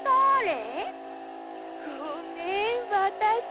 ごめんわたし。